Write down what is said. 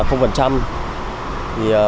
thì có lẽ là